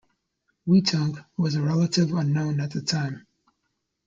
Whetung was a relative unknown at the time.